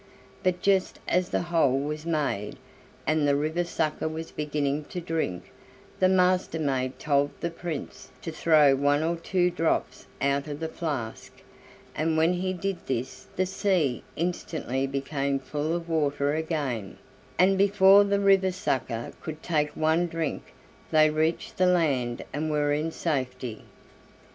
But just as the hole was made, and the river sucker was beginning to drink, the Master maid told the Prince to throw one or two drops out of the flask, and when he did this the sea instantly became full of water again, and before the river sucker could take one drink they reached the land and were in safety.